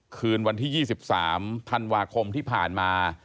คืนวันที่๒๓ธันวาคมที่ผ่านมา